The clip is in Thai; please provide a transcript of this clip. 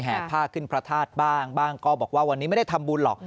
ผ้าขึ้นพระธาตุบ้างบ้างก็บอกว่าวันนี้ไม่ได้ทำบุญหรอก